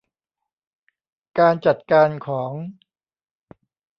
การจัดการของ